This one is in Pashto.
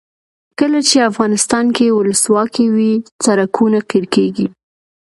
کله چې افغانستان کې ولسواکي وي سړکونه قیر کیږي.